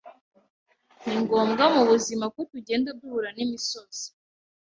ningombwa mu buzima ko tugenda duhura n’ imisozi